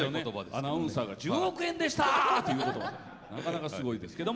アナウンサーが１０億円でした！って言うことなかなかすごいですね。